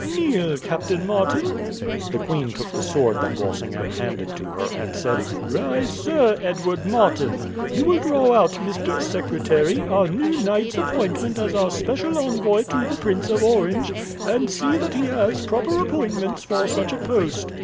Kneel, Captain Martin." The queen took the sword that Walsingham handed to her, and said, "Rise, Sir Edward Martin. You will draw out, Mr. Secretary, our new knight's appointment as our special envoy to the Prince of Orange; and see that he has proper appointments for such a post.